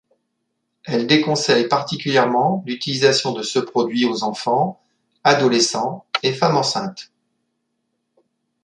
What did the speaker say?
Elle déconseille particulièrement l'utilisation de ce produit aux enfants, adolescents, et femmes enceintes.